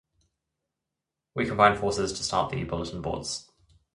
We combined forces to start the Bulletin boards.